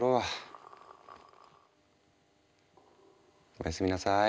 おやすみなさい。